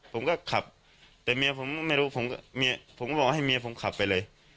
ผมก็ขับแต่เมียผมก็ไม่รู้ผมก็เมียผมก็บอกให้เมียผมขับไปเลย